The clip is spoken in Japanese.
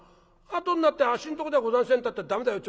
後になって『あっしんとこではございせん』たって駄目だよ